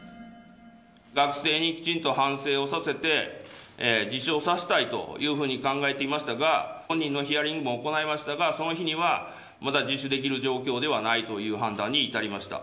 学生にきちんと反省をさせて、自首をさせたいというふうに考えていましたが、本人へのヒアリングも行いましたが、その日にはまだ自首できる状況ではないという判断に至りました。